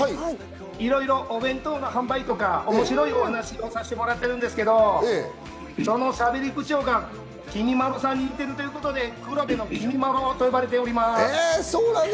いろいろお弁当の販売とか面白い話をさせてもらってるんですけれども、そのしゃべり口調がきみまろさんに似ているということで黒部のきみまろと呼ばれております。